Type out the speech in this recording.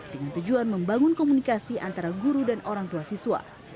dengan tujuan membangun komunikasi antara guru dan orang tua siswa